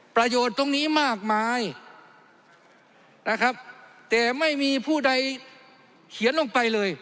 ประโยชน์ตรงนี้มากมายนะครับแต่ไม่มีผู้ใดเขียนลงไปเลย